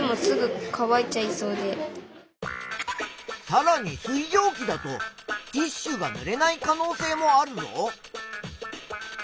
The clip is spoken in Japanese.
さらに水蒸気だとティッシュがぬれない可能性もあるぞ。